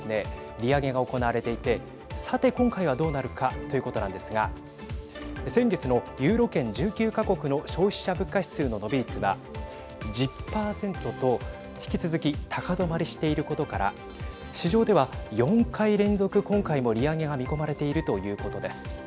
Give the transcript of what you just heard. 利上げが行われていてさて、今回はどうなるかということなんですが先月のユーロ圏１９か国の消費者物価指数の伸び率は１０％と、引き続き高止まりしていることから市場では４回連続、今回も利上げが見込まれているということです。